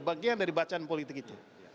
bagian dari bacaan politik itu